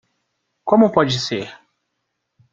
Como pode ser?